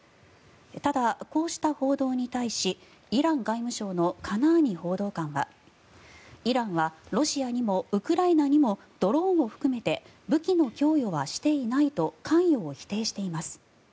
ただ、こうした報道に対しイラン外務省のカナーニ報道官はイランはロシアにもウクライナにもドローンを含めて武器の供与はしていないと関与を否定しています。